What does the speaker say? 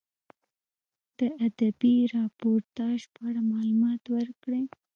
د ادبي راپورتاژ په اړه معلومات ورکړئ.